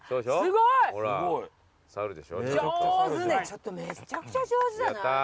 ちょっとめちゃくちゃ上手じゃない？